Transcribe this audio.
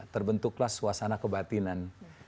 terbentuklah suasana kebatinan